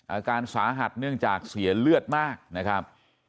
อาการสาหัสเนื่องจากเสียเลือดมากนะครับ